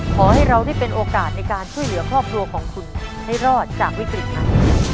ขอให้เราได้เป็นโอกาสในการช่วยเหลือครอบครัวของคุณให้รอดจากวิกฤตนั้น